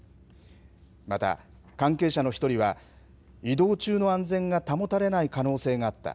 また関係者の一人は、移動中の安全が保たれない可能性があった。